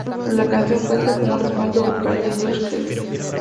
La canción cuenta con un respaldo vocal de Josh Kelley.